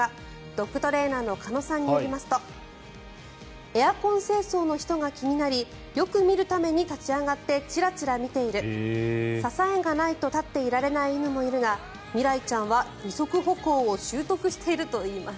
ドッグトレーナーの鹿野さんによりますとエアコン清掃の人が気になりよく見るために立ち上がって、ちらちら見ている支えがないと立っていられない犬もいるが未来ちゃんは二足歩行を習得しているといいます。